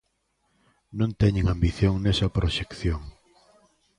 Non teñen ambición nesa proxección.